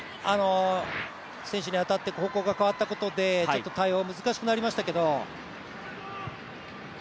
選手に当たって方向が変わったことで、対応が難しくなりましたけれども。